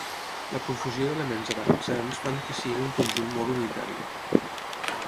La profusió d'elements arabitzants fan que sigui un conjunt molt unitari.